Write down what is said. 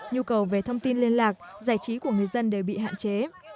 nhu cầu về thông tin liên lạc giải trí của người dân đều bị hạn chế